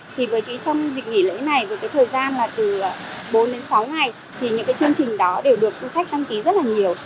thì với chị trong dịp nghỉ lễ này với cái thời gian là từ bốn đến sáu ngày thì những cái chương trình đó đều được du khách đăng ký rất là nhiều